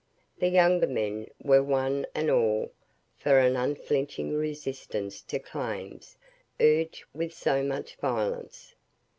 The younger men were one and all for an unflinching resistance to claims urged with so much violence.